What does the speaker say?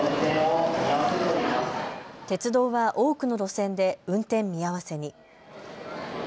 鉄道は多くの路線で運転見合わせに。